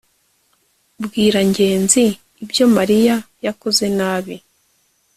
bwira ngenzi ibyo mariya yakoze nabi